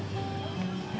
gue duluan ya